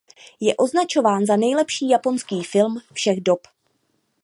Je označován za nejlepší japonský film všech dob.